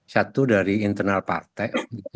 satu dari internal partai